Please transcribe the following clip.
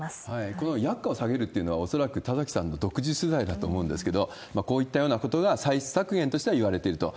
この薬価を下げるというのは、恐らく田崎さんの独自取材だと思うんですけど、こういったようなことが、歳出削減としてはいわれていると。